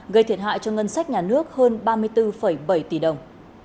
gây thiệt hại cho ngân sách nhà nước hơn ba mươi bốn bảy tỷ đồng